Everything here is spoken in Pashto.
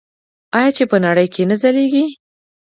آیا چې په نړۍ کې نه ځلیږي؟